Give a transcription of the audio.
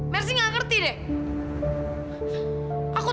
mercy gak ngerti dek